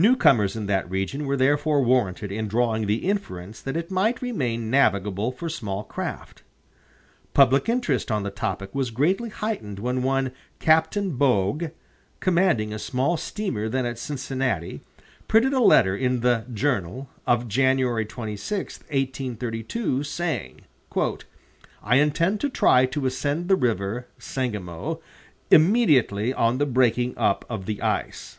Newcomers in that region were therefore warranted in drawing the inference that it might remain navigable for small craft. Public interest on the topic was greatly heightened when one Captain Bogue, commanding a small steamer then at Cincinnati, printed a letter in the "Journal" of January 26, 1832, saying: "I intend to try to ascend the river [Sangamo] immediately on the breaking up of the ice."